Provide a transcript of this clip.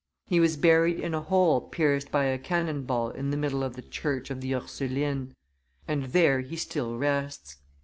He was buried in a hole pierced by a cannonball in the middle of the church of the Ursulines; and there he still rests.